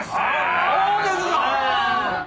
そうですか！